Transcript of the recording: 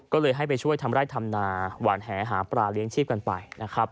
ก็เลยให้ไปช่วยทำไร่ทำนาหวานแหหาปลาเลี้ยงชีพกันไปนะครับ